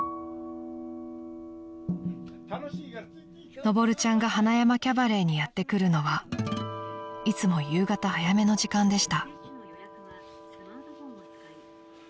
［のぼるちゃんが塙山キャバレーにやって来るのはいつも夕方早めの時間でした］